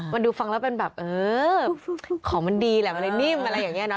มันดูฟังแล้วเป็นแบบเออของมันดีแหละมันเลยนิ่มอะไรอย่างนี้เนาะ